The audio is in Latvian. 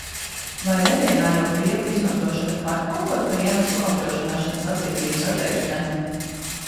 Vai nepiemērotu riepu izmantošana var kalpot par iemeslu apdrošināšanas atlīdzības atteikšanai?